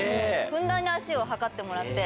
ふんだんに足を測ってもらって。